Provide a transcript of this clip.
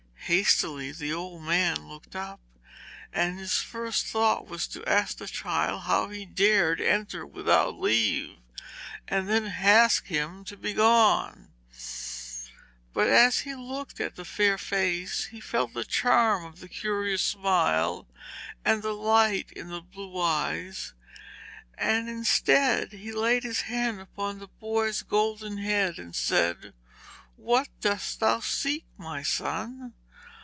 Hastily the old man looked up, and his first thought was to ask the child how he dared enter without leave, and then ask him to be gone, but as he looked at the fair face he felt the charm of the curious smile, and the light in the blue eyes, and instead he laid his hand upon the boy's golden head and said: 'What dost thou seek, my son?'